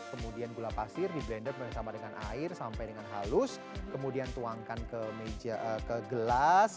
kemudian gula pasir di blender bersama dengan air sampai dengan halus kemudian tuangkan ke meja ke gelas